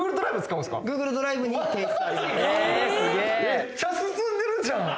めっちゃ進んでるじゃん！